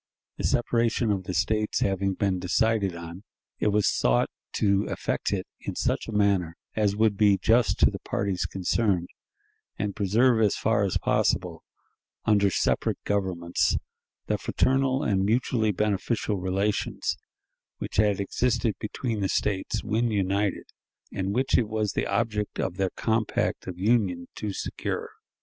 The separation of the States having been decided on, it was sought to effect it in such manner as would be just to the parties concerned, and preserve as far as possible, under separate governments, the fraternal and mutually beneficial relations which had existed between the States when united, and which it was the object of their compact of union to secure.